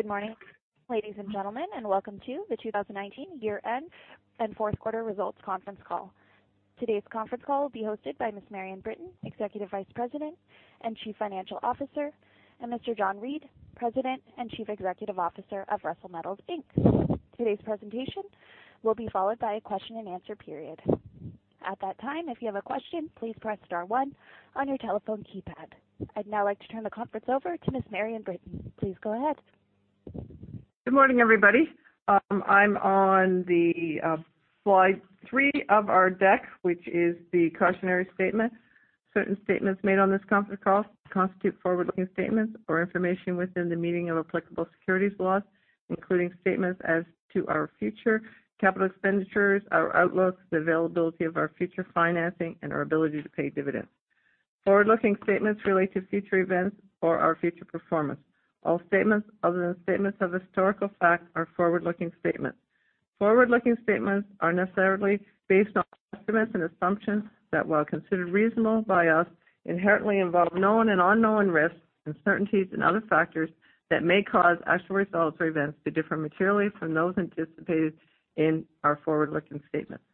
Good morning, ladies and gentlemen, and welcome to the 2019 year-end and fourth quarter results conference call. Today's conference call will be hosted by Ms. Marion Britton, Executive Vice President and Chief Financial Officer, and Mr. John Reid, President and Chief Executive Officer of Russel Metals Inc. Today's presentation will be followed by a question-and-answer period. At that time, if you have a question, please press star one on your telephone keypad. I'd now like to turn the conference over to Ms. Marion Britton. Please go ahead. Good morning, everybody. I'm on the slide three of our deck, which is the cautionary statement. Certain statements made on this conference call constitute forward-looking statements or information within the meaning of applicable securities laws, including statements as to our future capital expenditures, our outlook, the availability of our future financing, and our ability to pay dividends. Forward-looking statements relate to future events or our future performance. All statements other than statements of historical fact are forward-looking statements. Forward-looking statements are necessarily based on estimates and assumptions that, while considered reasonable by us, inherently involve known and unknown risks, uncertainties, and other factors that may cause actual results or events to differ materially from those anticipated in our forward-looking statements.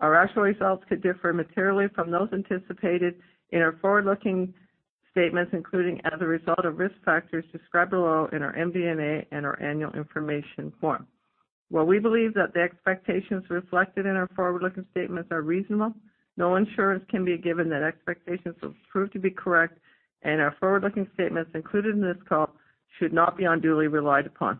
Our actual results could differ materially from those anticipated in our forward-looking statements, including as a result of risk factors described below in our MD&A and our annual information form. While we believe that the expectations reflected in our forward-looking statements are reasonable, no assurance can be given that expectations will prove to be correct, and our forward-looking statements included in this call should not be unduly relied upon.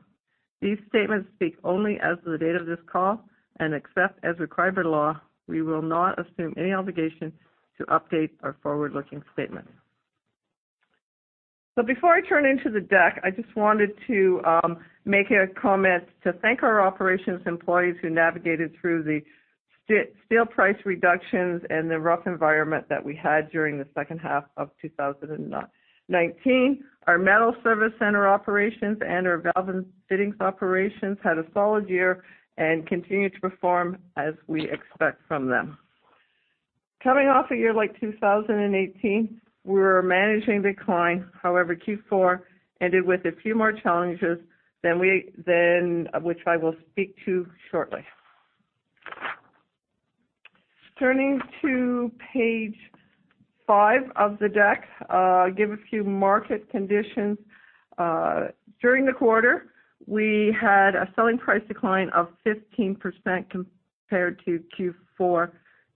These statements speak only as of the date of this call, and except as required by law, we will not assume any obligation to update our forward-looking statements. Before I turn into the deck, I just wanted to make a comment to thank our operations employees who navigated through the steel price reductions and the rough environment that we had during the second half of 2019. Our metal service center operations and our valve and fittings operations had a solid year and continue to perform as we expect from them. Coming off a year like 2018, we were managing decline. However, Q4 ended with a few more challenges, which I will speak to shortly. Turning to page five of the deck, give a few market conditions. During the quarter, we had a selling price decline of 15% compared to Q4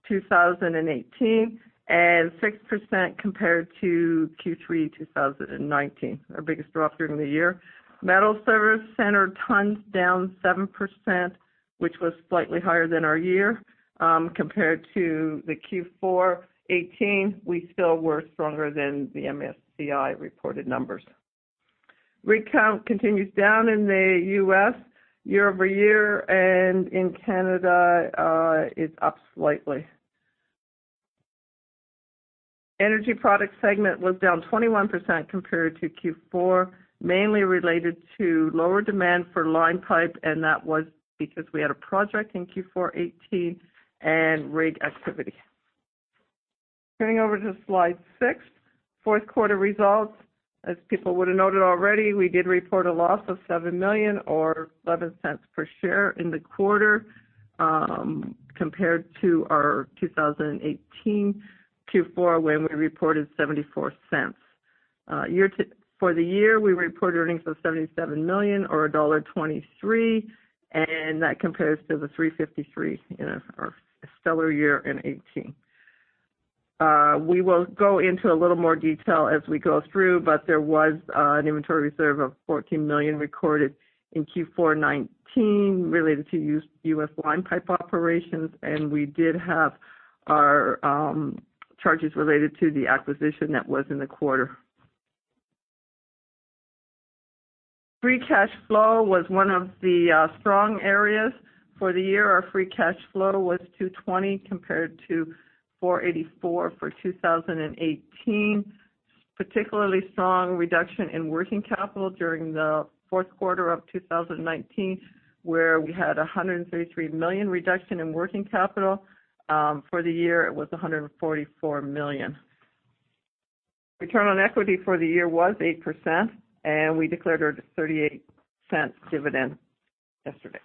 2018, and 6% compared to Q3 2019, our biggest drop during the year. Metal service center tons down 7%, which was slightly higher than our year. Compared to the Q4 2018, we still were stronger than the MSCI reported numbers. Rig count continues down in the U.S. year-over-year and in Canada, it's up slightly. Energy Product Segment was down 21% compared to Q4, mainly related to lower demand for line pipe. That was because we had a project in Q4 2018 and rig activity. Turning over to slide six, fourth quarter results. As people would have noted already, we did report a loss of 7 million or 0.11 per share in the quarter, compared to our 2018 Q4 when we reported 0.74. For the year, we reported earnings of 77 million or dollar 1.23, that compares to the 3.53 in our stellar year in 2018. We will go into a little more detail as we go through, there was an inventory reserve of 14 million recorded in Q4 2019 related to U.S. line pipe operations, we did have our charges related to the acquisition that was in the quarter. Free cash flow was one of the strong areas. For the year, our free cash flow was 220 million, compared to 484 million for 2018. Particularly strong reduction in working capital during the fourth quarter of 2019, where we had 133 million reduction in working capital. For the year, it was 144 million. Return on equity for the year was 8%. We declared our 0.38 dividend yesterday.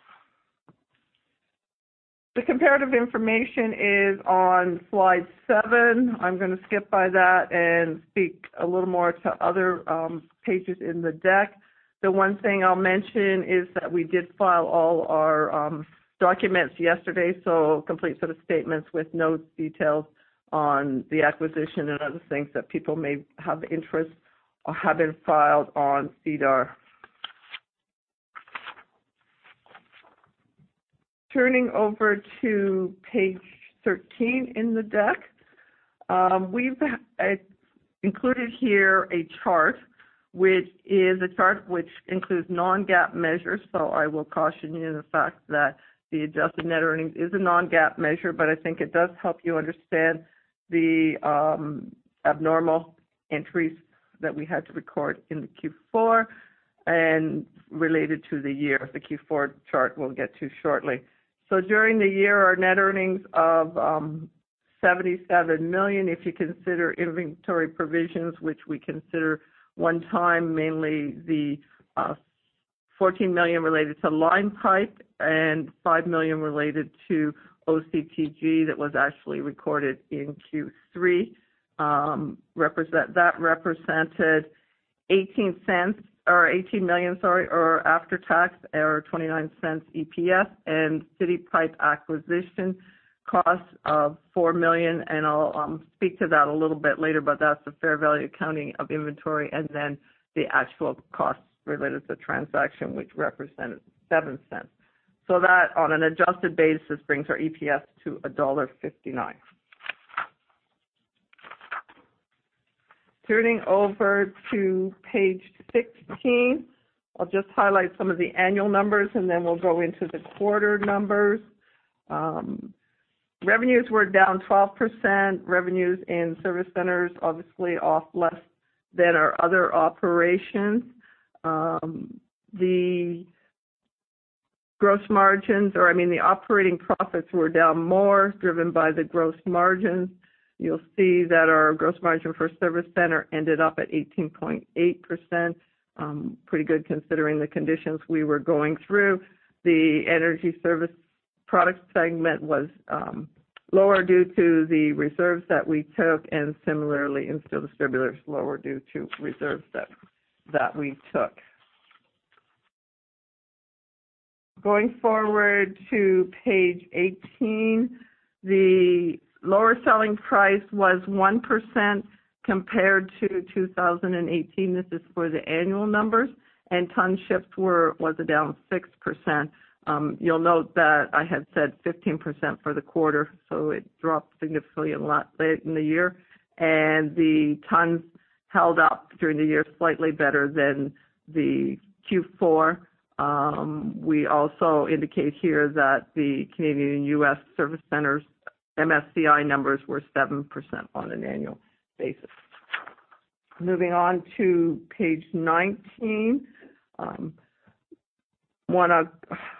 The comparative information is on slide seven. I'm going to skip by that and speak a little more to other pages in the deck. The one thing I'll mention is that we did file all our documents yesterday. A complete set of statements with notes, details on the acquisition and other things that people may have interest have been filed on SEDAR. Turning over to page 13 in the deck. We've included here a chart, which is a chart which includes non-GAAP measures. I will caution you the fact that the adjusted net earnings is a non-GAAP measure, but I think it does help you understand the abnormal entries that we had to record in the Q4 and related to the year. The Q4 chart we'll get to shortly. During the year, our net earnings of 77 million if you consider inventory provisions, which we consider one time, mainly the 14 million related to line pipe and 5 million related to OCTG that was actually recorded in Q3. That represented CAD 18 million, or after-tax or 0.29 EPS and City Pipe acquisition cost of 4 million, and I'll speak to that a little bit later, but that's the fair value accounting of inventory and then the actual cost related to the transaction, which represented 0.07. That, on an adjusted basis, brings our EPS to CAD 1.59. Turning over to page 16, I'll just highlight some of the annual numbers, and then we'll go into the quarter numbers. Revenues were down 12%. Revenues in service centers, obviously, off less than our other operations. The gross margins or, I mean, the operating profits were down more, driven by the gross margins. You'll see that our gross margin for service center ended up at 18.8%, pretty good considering the conditions we were going through. The energy service product segment was lower due to the reserves that we took. Similarly in steel distributors, lower due to reserves that we took. Going forward to page 18, the lower selling price was 1% compared to 2018. This is for the annual numbers. Ton ships was down 6%. You'll note that I had said 15% for the quarter, so it dropped significantly a lot late in the year. The tons held up during the year slightly better than the Q4. We also indicate here that the Canadian U.S. service centers MSCI numbers were 7% on an annual basis. Moving on to page 19. Want to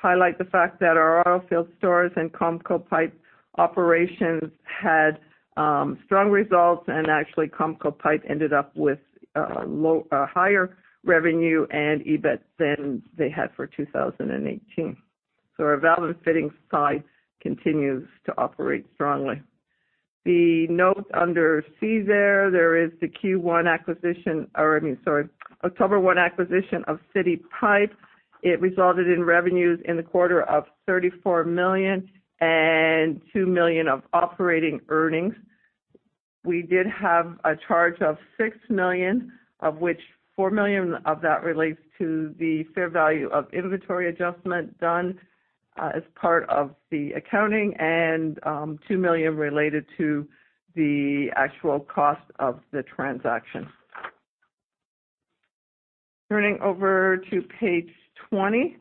highlight the fact that our energy field stores and Comco Pipe operations had strong results, and actually, Comco Pipe ended up with a higher revenue and EBIT than they had for 2018. Our valve and fitting side continues to operate strongly. The note under C there is the Q1 acquisition or, I mean, sorry, October 1 acquisition of City Pipe. It resulted in revenues in the quarter of 34 million and 2 million of operating earnings. We did have a charge of 6 million, of which 4 million of that relates to the fair value of inventory adjustment done as part of the accounting and 2 million related to the actual cost of the transaction. Turning over to page 20.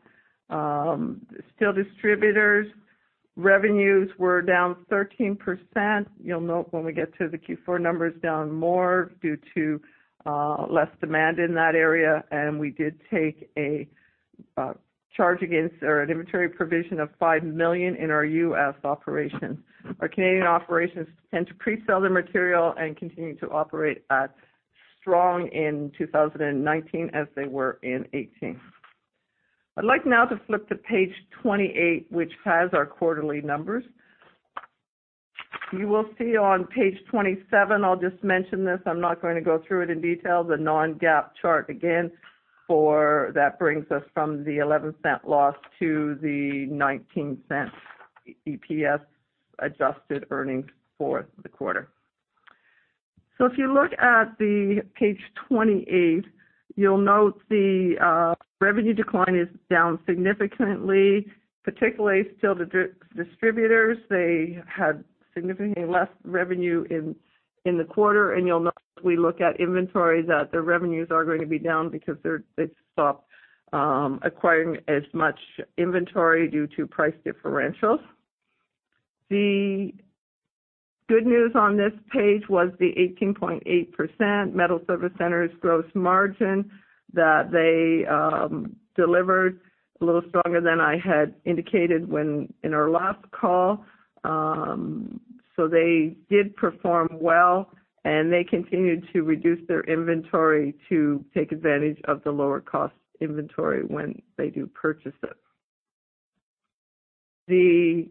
Steel distributors revenues were down 13%. You'll note when we get to the Q4 numbers down more due to less demand in that area, and we did take a charge against or an inventory provision of 5 million in our U.S. operations. Our Canadian operations tend to pre-sell their material and continue to operate as strong in 2019 as they were in 2018. I'd like now to flip to page 28, which has our quarterly numbers. You will see on page 27, I'll just mention this, I'm not going to go through it in detail, the non-GAAP chart again, that brings us from the 0.11 loss to the 0.19 EPS adjusted earnings for the quarter. If you look at the page 28, you'll note the revenue decline is down significantly, particularly steel distributors. They had significantly less revenue in the quarter, and you'll note as we look at inventory that their revenues are going to be down because they've stopped acquiring as much inventory due to price differentials. The good news on this page was the 18.8% metal service centers gross margin that they delivered, a little stronger than I had indicated in our last call. They did perform well, and they continued to reduce their inventory to take advantage of the lower cost inventory when they do purchase it.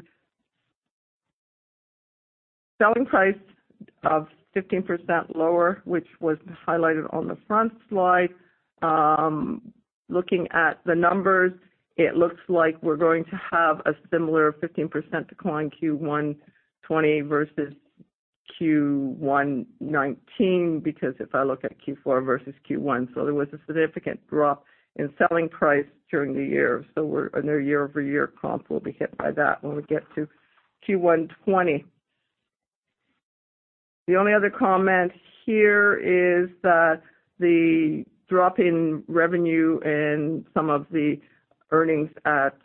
The selling price of 15% lower, which was highlighted on the front slide. Looking at the numbers, it looks like we're going to have a similar 15% decline Q1 2020 versus Q1 2019, because if I look at Q4 versus Q1. There was a significant drop in selling price during the year. Our year-over-year comp will be hit by that when we get to Q1 2020. The only other comment here is that the drop in revenue and some of the earnings at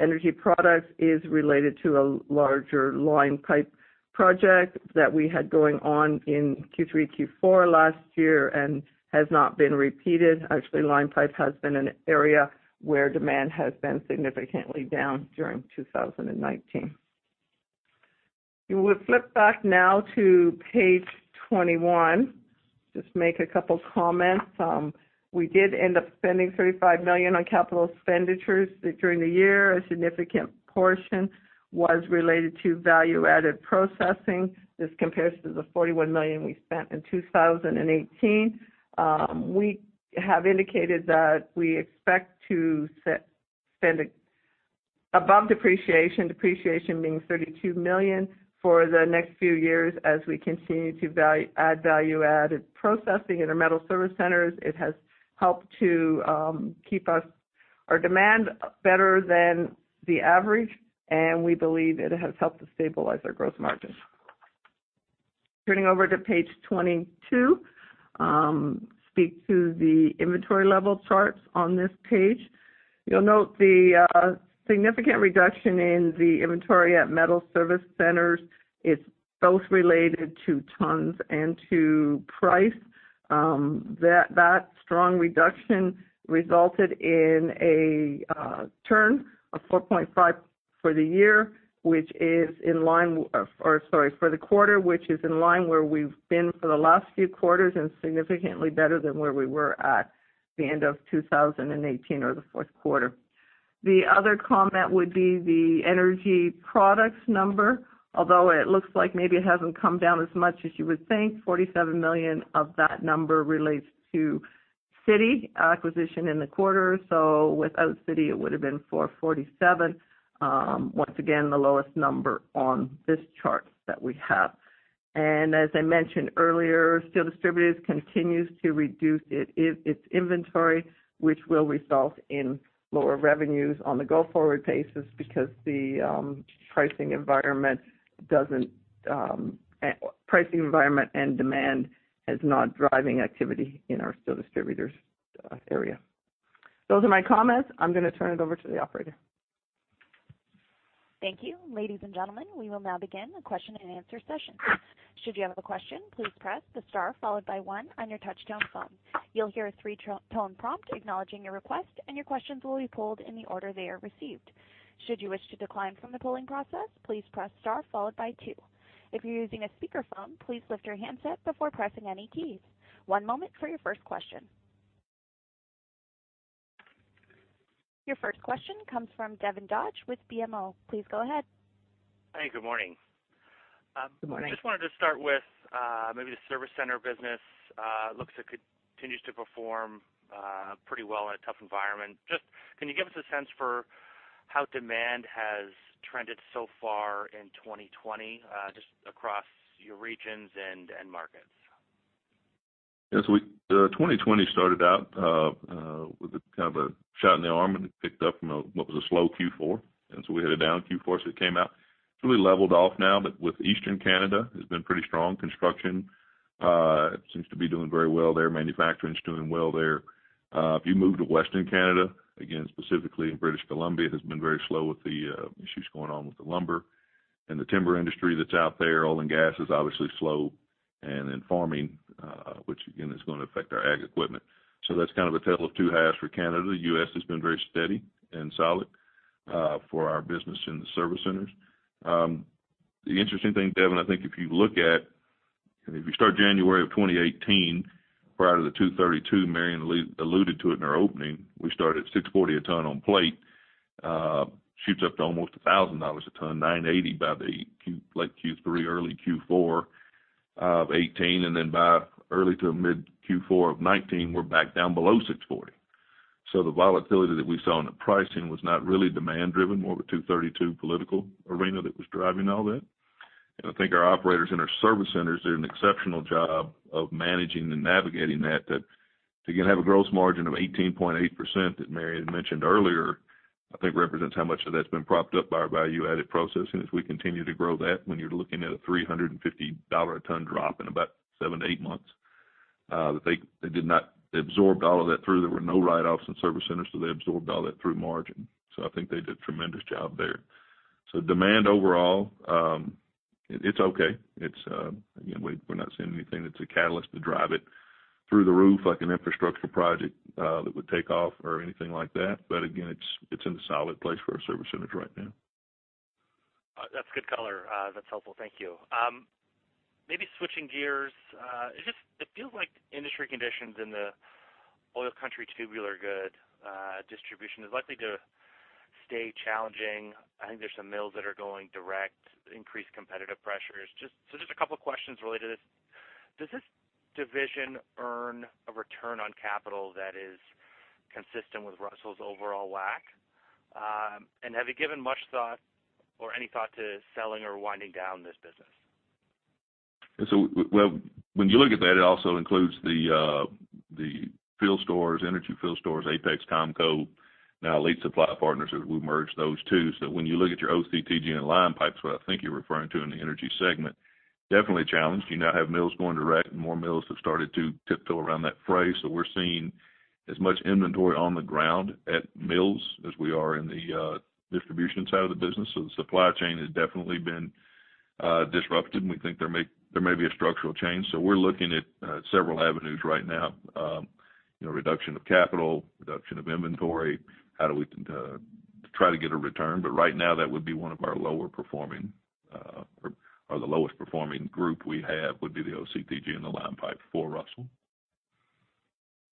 Energy Products is related to a larger line pipe project that we had going on in Q3, Q4 last year and has not been repeated. Actually, line pipe has been an area where demand has been significantly down during 2019. We would flip back now to page 21. Just make a couple comments. We did end up spending 35 million on capital expenditures during the year. A significant portion was related to value-added processing. This compares to the 41 million we spent in 2018. We have indicated that we expect to spend above depreciation being 32 million for the next few years as we continue to add value-added processing in our metal service centers. It has helped to keep our demand better than the average, and we believe it has helped to stabilize our gross margin. Turning over to page 22, speak to the inventory level charts on this page. You'll note the significant reduction in the inventory at metal service centers. It's both related to tons and to price. That strong reduction resulted in a turn of 4.5x for the year, which is in line for the quarter, which is in line where we've been for the last few quarters and significantly better than where we were at the end of 2018 or the fourth quarter. The other comment would be the energy products number, although it looks like maybe it hasn't come down as much as you would think, 47 million of that number relates to City acquisition in the quarter. Without City, it would've been 447. Once again, the lowest number on this chart that we have. As I mentioned earlier, Steel Distributors continues to reduce its inventory, which will result in lower revenues on the go-forward basis because the pricing environment and demand is not driving activity in our Steel Distributors area. Those are my comments. I'm going to turn it over to the operator. Thank you. Ladies and gentlemen, we will now begin the question-and-answer session. Should you have a question, please press the star followed by one on your touchtone phone. You'll hear a three-tone prompt acknowledging your request, and your questions will be pulled in the order they are received. Should you wish to decline from the polling process, please press star followed by two. If you're using a speakerphone, please lift your handset before pressing any keys. One moment for your first question. Your first question comes from Devin Dodge with BMO. Please go ahead. Hey, good morning. Good morning. I just wanted to start with maybe the service center business. Looks like it continues to perform pretty well in a tough environment. Just can you give us a sense for how demand has trended so far in 2020, just across your regions and markets? Yes. 2020 started out with kind of a shot in the arm. It picked up from what was a slow Q4. We had a down Q4. It came out, it's really leveled off now. With Eastern Canada, it's been pretty strong. Construction seems to be doing very well there. Manufacturing's doing well there. If you move to Western Canada, again, specifically in British Columbia, has been very slow with the issues going on with the lumber and the timber industry that's out there. Oil and gas is obviously slow, and then farming, which again, is going to affect our ag equipment. That's kind of a tale of two halves for Canada. The U.S. has been very steady and solid for our business in the service centers. The interesting thing, Devin, I think if you look at, if you start January of 2018, prior to the 232, Marion alluded to it in our opening, we started at 640 a ton on plate. Shoots up to almost 1,000 dollars a ton, 980 by late Q3, early Q4 of 2018. By early to mid Q4 of 2019, we're back down below 640. The volatility that we saw in the pricing was not really demand driven, more of a 232 political arena that was driving all that. I think our operators in our service centers did an exceptional job of managing and navigating that. To have a gross margin of 18.8% that Marion had mentioned earlier, I think represents how much of that's been propped up by our value-added processing as we continue to grow that. When you're looking at a 350 dollar a ton drop in about seven to eight months, they absorbed all of that through. There were no write-offs in service centers, they absorbed all that through margin. I think they did a tremendous job there. Demand overall, it's okay. Again, we're not seeing anything that's a catalyst to drive it through the roof like an infrastructural project that would take off or anything like that. Again, it's in a solid place for our service centers right now. That's good color. That's helpful. Thank you. Maybe switching gears. It feels like industry conditions in the oil country tubular good distribution is likely to stay challenging. I think there's some mills that are going direct, increased competitive pressures. Just a couple of questions related to this. Does this division earn a return on capital that is consistent with Russel's overall WACC? Have you given much thought or any thought to selling or winding down this business? When you look at that, it also includes the energy field stores, Apex Distribution, Comco. Now Elite Supply Partners as we merged those two. When you look at your OCTG and line pipes, what I think you're referring to in the energy segment, definitely challenged. You now have mills going direct, and more mills have started to tiptoe around that phrase. We're seeing as much inventory on the ground at mills as we are in the distribution side of the business. The supply chain has definitely been disrupted, and we think there may be a structural change. We're looking at several avenues right now. Reduction of capital, reduction of inventory, how do we try to get a return? Right now, that would be one of our lower performing, or the lowest performing group we have would be the OCTG and the line pipe for Russel.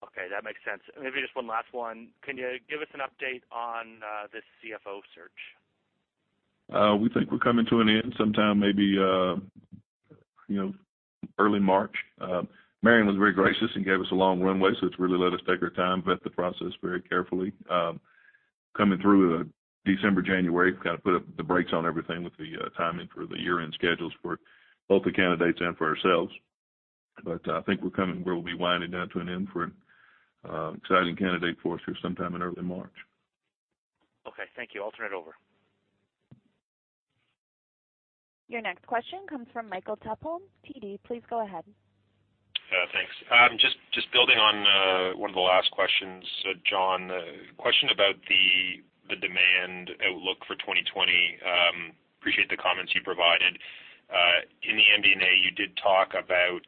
Okay, that makes sense. Maybe just one last one. Can you give us an update on this CFO search? We think we're coming to an end sometime maybe early March. Marion was very gracious and gave us a long runway, so it's really let us take our time, vet the process very carefully. Coming through December, January, kind of put up the brakes on everything with the timing for the year-end schedules for both the candidates and for ourselves. I think we're coming where we'll be winding down to an end for an exciting candidate for us who sometime in early March. Okay, thank you. I'll turn it over. Your next question comes from Michael Tupholme, TD. Please go ahead. Thanks. Just building on one of the last questions, John, question about the demand outlook for 2020. Appreciate the comments you provided. In the MD&A, you did talk about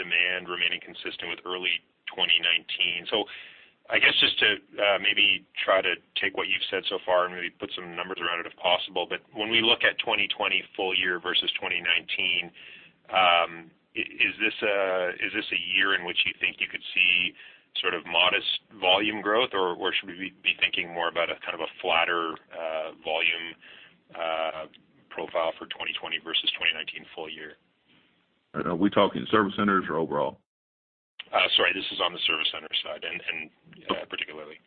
demand remaining consistent with early 2019. I guess just to maybe try to take what you've said so far and maybe put some numbers around it if possible. When we look at 2020 full year versus 2019, is this a year in which you think you could see sort of modest volume growth? Or should we be thinking more about a flatter volume profile for 2020 versus 2019 full year? Are we talking service centers or overall? Sorry, this is on the service center side particularly.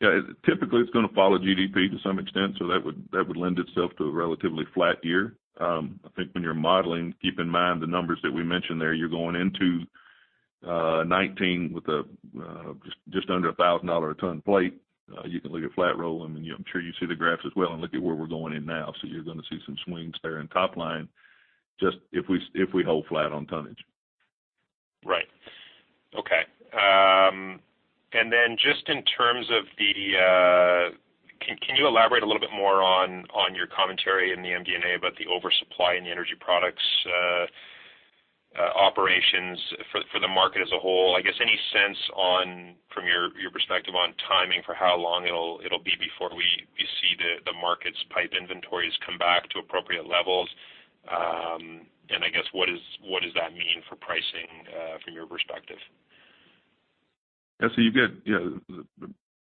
Yeah. Typically, it's going to follow GDP to some extent, so that would lend itself to a relatively flat year. I think when you're modeling, keep in mind the numbers that we mentioned there. You're going into 2019 with just under 1,000 dollar a ton plate. You can look at flat roll, and I'm sure you see the graphs as well and look at where we're going in now. You're going to see some swings there in top line, just if we hold flat on tonnage. Right. Okay. Just in terms of, Can you elaborate a little bit more on your commentary in the MD&A about the oversupply in the energy products operations for the market as a whole? I guess, any sense from your perspective on timing for how long it'll be before we see the market's pipe inventories come back to appropriate levels? I guess, what does that mean for pricing from your perspective? Yeah. You get,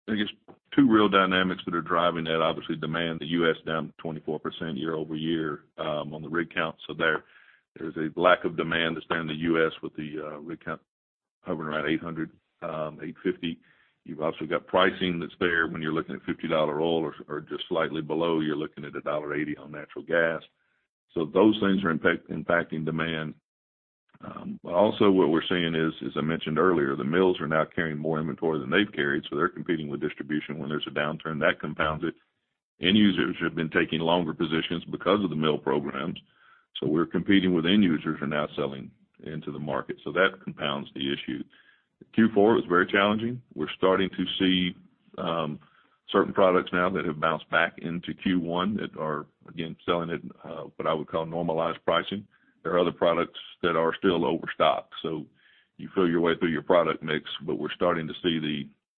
I guess, two real dynamics that are driving that. Obviously, demand, the U.S. down 24% year-over-year on the rig count. There's a lack of demand that's down in the U.S. with the rig count hovering around 800, 850. You've also got pricing that's there. When you're looking at 50 dollar oil or just slightly below, you're looking at dollar 1.80 on natural gas. Those things are impacting demand. Also what we're seeing is, as I mentioned earlier, the mills are now carrying more inventory than they've carried, so they're competing with distribution. When there's a downturn, that compounds it. End users have been taking longer positions because of the mill programs. We're competing with end users who are now selling into the market. That compounds the issue. Q4 was very challenging. We're starting to see certain products now that have bounced back into Q1 that are again, selling at what I would call normalized pricing. There are other products that are still overstocked. You feel your way through your product mix. We're starting to see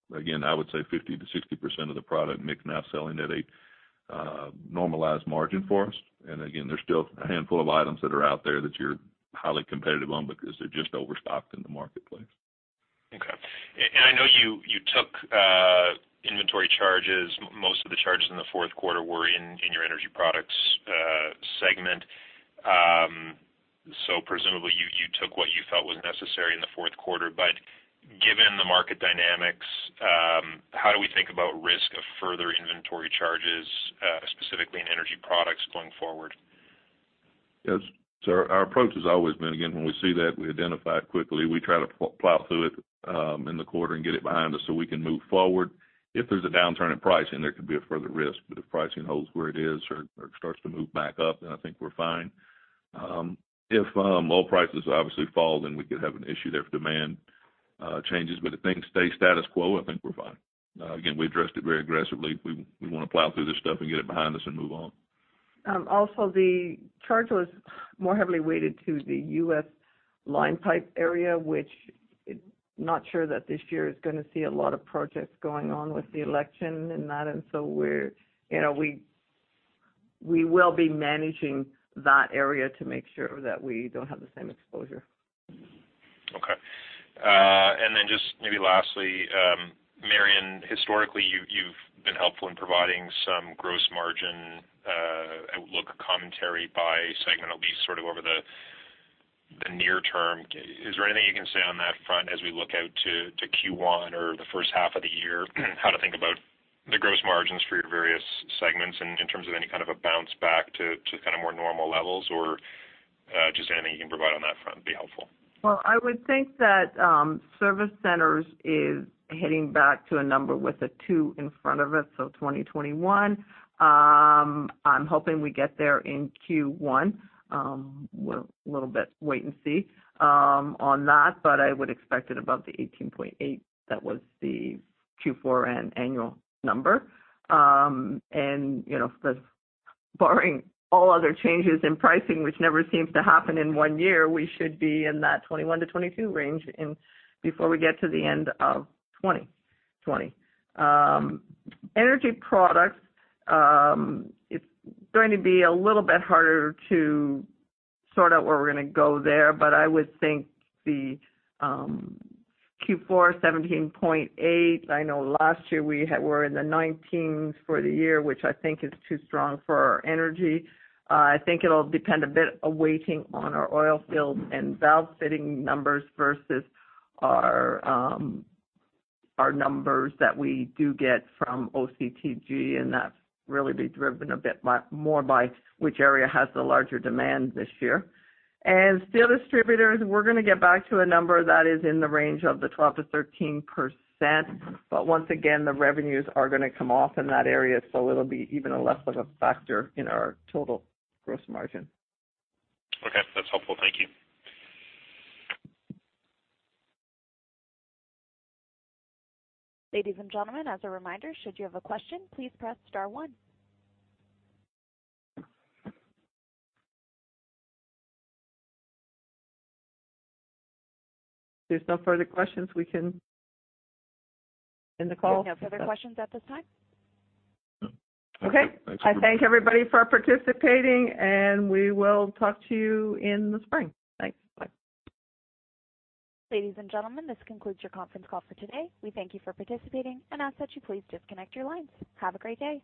the, again, I would say 50%-60% of the product mix now selling at a normalized margin for us. Again, there's still a handful of items that are out there that you're highly competitive on because they're just overstocked in the marketplace. Okay. I know you took inventory charges. Most of the charges in the fourth quarter were in your energy products segment. Presumably, you took what you felt was necessary in the fourth quarter. Given the market dynamics, how do we think about risk of further inventory charges, specifically in energy products going forward? Yes. Our approach has always been, again, when we see that, we identify it quickly, we try to plow through it in the quarter and get it behind us so we can move forward. If there's a downturn in pricing, there could be a further risk. If pricing holds where it is or starts to move back up, then I think we're fine. If oil prices obviously fall, then we could have an issue there if demand changes. If things stay status quo, I think we're fine. Again, we addressed it very aggressively. We want to plow through this stuff and get it behind us and move on. Also, the charge was more heavily weighted to the U.S. line pipe area, which I'm not sure that this year is going to see a lot of projects going on with the election and that. We will be managing that area to make sure that we don't have the same exposure. Okay. Just maybe lastly, Marion, historically, you've been helpful in providing some gross margin outlook commentary by segment, at least sort of over the near term. Is there anything you can say on that front as we look out to Q1 or the first half of the year? How to think about the gross margins for your various segments and in terms of any kind of a bounce back to kind of more normal levels, or just anything you can provide on that front would be helpful? Well, I would think that service centers is heading back to a number with a two in front of it, so 2021. I'm hoping we get there in Q1. We're a little bit wait and see on that, but I would expect it above the 18.8%. That was the Q4 and annual number. Barring all other changes in pricing, which never seems to happen in one year, we should be in that 21%-22% range before we get to the end of 2020. Energy Products, it's going to be a little bit harder to sort out where we're going to go there, but I would think the Q4 17.8%. I know last year we were in the 19s for the year, which I think is too strong for our Energy Products. I think it'll depend a bit of weighting on our oil field and valve fitting numbers versus our numbers that we do get from OCTG, that'll really be driven a bit more by which area has the larger demand this year. Steel distributors, we're going to get back to a number that is in the range of the 12%-13%, once again, the revenues are going to come off in that area, it'll be even a less of a factor in our total gross margin. Okay. That's helpful. Thank you. Ladies and gentlemen, as a reminder, should you have a question, please press star one. If there's no further questions, we can end the call. We have no further questions at this time. Okay. Thanks. Okay. I thank everybody for participating, and we will talk to you in the spring. Thanks. Bye. Ladies and gentlemen, this concludes your conference call for today. We thank you for participating and ask that you please disconnect your lines. Have a great day.